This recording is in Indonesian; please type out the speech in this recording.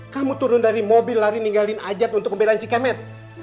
kamu turun dari mobil lari ninggalin ajat untuk pembelaan si kemet